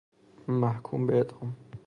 محکوم به اعدام